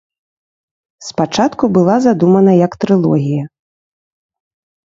Спачатку была задумана як трылогія.